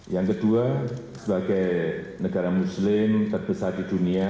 yang kedua sebagai negara muslim terbesar di dunia